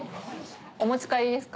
お持ち帰りですか？